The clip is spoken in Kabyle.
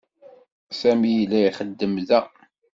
Sami yella ixeddem da.